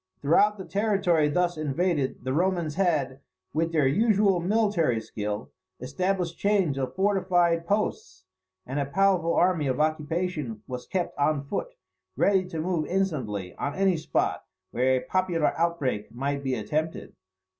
Throughout the territory thus invaded, the Romans had, with their usual military skill, established chains of fortified posts; and a powerful army of occupation was kept on foot, ready to move instantly on any spot where a popular outbreak might be attempted.